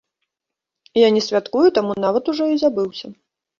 Я не святкую, таму нават ужо і забыўся.